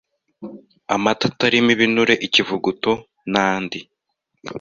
amata atarimo ibinure, ikivuguto, n’andi